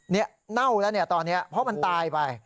เน่าแล้วตอนนี้เพราะมันตายไป